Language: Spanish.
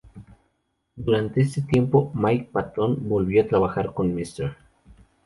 Durante este tiempo, Mike Patton volvió a trabajar con Mr.